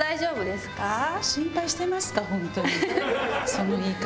その言い方。